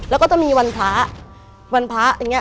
และมีวันพระวันพระอย่างเงี้ย